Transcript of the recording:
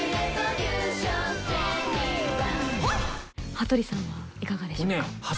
羽鳥さんはいかがでしょうか？